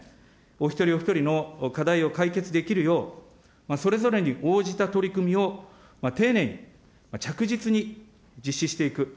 お一人お一人の課題を解決できるよう、それぞれに応じた取り組みを丁寧に、着実に実施していく。